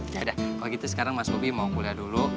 yaudah kalau gitu sekarang mas bobby mau kuliah dulu